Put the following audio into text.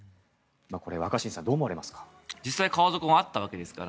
これ、若新さんどう思われますか？